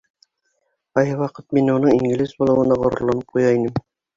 Ҡайһы ваҡыт мин уның инглиз булыуына ғорурланып ҡуя инем.